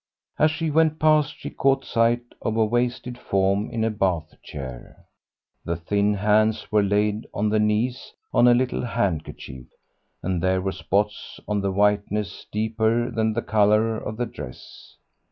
As she went past she caught sight of a wasted form in a bath chair. The thin hands were laid on the knees, on a little handkerchief, and there were spots on the whiteness deeper than the colour of the dress.